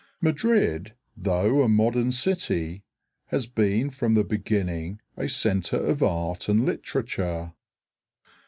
Madrid, though a modern city, has been from the beginning a center of art and literature.